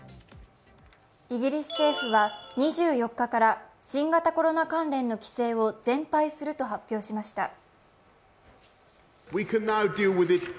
イギリス政府は２４日から新型コロナ関連の規制を全廃すると発表しました。